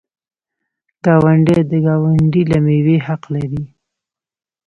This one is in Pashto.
ګاونډی د ګاونډي له میوې حق لري.